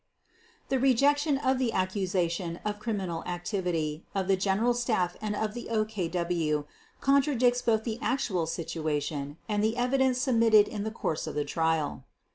The rejection of the accusation of criminal activity of the General Staff and of the OKW contradicts both the actual situation and the evidence submitted in the course of the Trial.